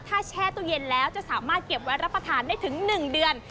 ถ้าแช่ตู้เย็นแล้วจะสามารถเก็บไว้รับประทานได้ถึง๑เดือน